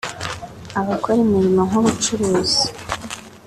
Abakora imirimo nk’ubucuruzi